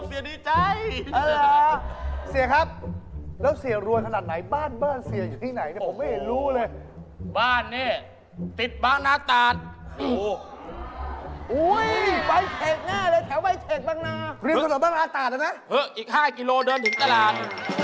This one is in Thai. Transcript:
เสียนี่ติ๊งตรงนี่เสีย